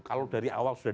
kalau dari awal sudah